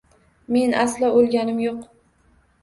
Men aslo o’lganim yo’q…